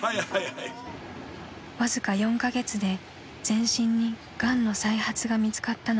［わずか４カ月で全身にがんの再発が見つかったのです］